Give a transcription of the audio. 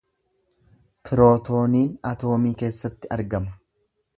Pirootooniin atoomii keessatti argama.